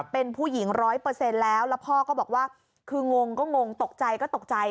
เป็นผู้หญิง๑๐๐แล้วแล้วพ่อก็บอกว่าคืองงก็งงตกใจก็ตกใจ